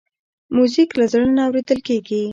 موزیک له زړه نه اورېدل کېږي.